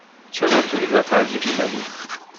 چه نوع توری را ترجیح می دهید؟